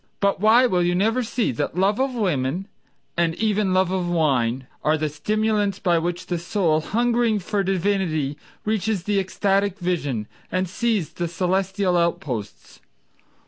But why will you never see that love of women, And even love of wine, Are the stimulants by which the soul, hungering for divinity, Reaches the ecstatic vision And sees the celestial outposts?